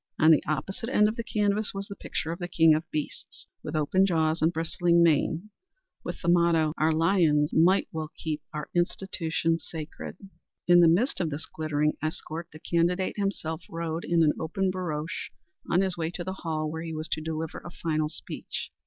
On the opposite end of the canvas was the picture of the king of beasts, with open jaws and bristling mane, with the motto, "Our Lyons's might will keep our institutions sacred." In the midst of this glittering escort the candidate himself rode in an open barouche on his way to the hall where he was to deliver a final speech.